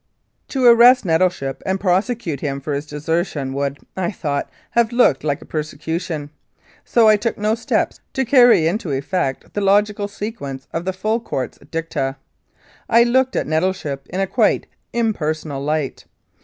To arrest Nettleship and prosecute him for his deser tion would, I thought, have looked like persecution. So I took no steps to carry into effect the logical sequence of the full Court's dicta. I looked at Nettle ship in a quite impersonal light.